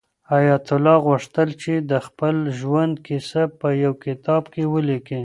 حیات الله غوښتل چې د خپل ژوند کیسه په یو کتاب کې ولیکي.